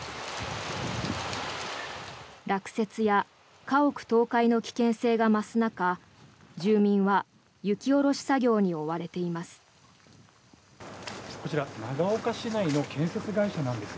落雪や家屋倒壊の危険性が増す中住民は雪下ろし作業に追われています。